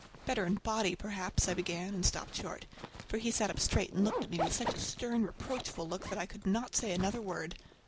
"Better in body perhaps"—I began, and stopped short, for he sat up straight and looked at me with such a stern, reproachful look that I could not say another word.